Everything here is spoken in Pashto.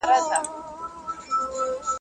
ویل پوه لا د ژوندون په قانون نه یې.